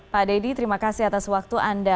pak dedy terima kasih atas waktu anda